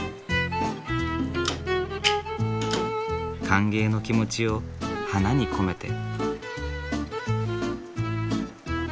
歓迎の気持ちを花に込めて。